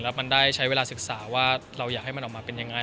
แล้วมันได้ใช้เวลาศึกษาว่าเราอยากให้มันออกมาเป็นยังไง